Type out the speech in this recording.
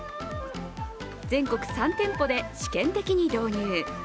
全国３店舗で試験的に導入。